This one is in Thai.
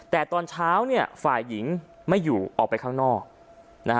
แต่ตอนเช้าเนี่ยฝ่ายหญิงไม่อยู่ออกไปข้างนอกนะฮะ